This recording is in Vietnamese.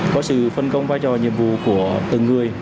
có sự phân công vai trò nhiệm vụ của từng người